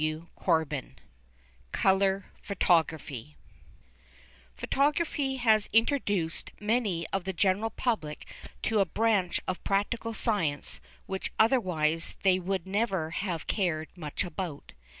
CHAPTER XVI COLOUR PHOTOGRAPHY Photography has introduced many of the general public to a branch of practical science which otherwise they would never have cared much about.